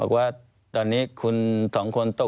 แล้วเขาสร้างเองว่าห้ามเข้าใกล้ลูก